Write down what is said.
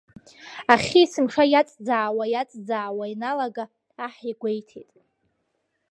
Ахьы есымша иаҵӡаауа, иаҵӡаауа ианалага, аҳ игәеиҭет…